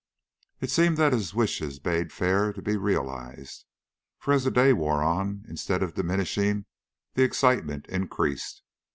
It seemed that his wishes bade fair to be realized, for, as the day wore on, instead of diminishing, the excitement increased.